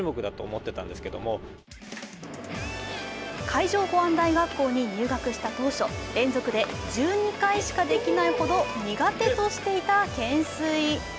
海上保安大学校に入学した当初、連続で１２回しかできないほど苦手としていた懸垂。